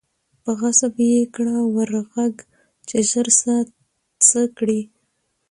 په غضب یې کړه ور ږغ چي ژر سه څه کړې